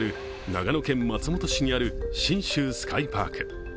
長野県松本市にある信州スカイパーク。